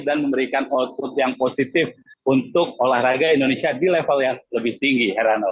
dan memberikan output yang positif untuk olahraga indonesia di level yang lebih tinggi